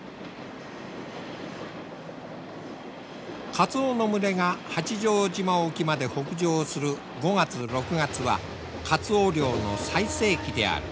カツオの群れが八丈島沖まで北上する５月６月はカツオ漁の最盛期である。